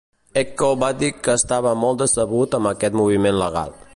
Ecko va dir que estava molt decebut amb aquest moviment legal.